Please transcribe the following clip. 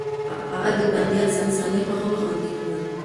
هغه د بنديانو انساني حقونه خوندي کړل.